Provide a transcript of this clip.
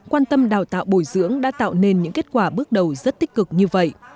quan tâm đào tạo bồi dưỡng đã tạo nên những kết quả bước đầu rất tích cực như vậy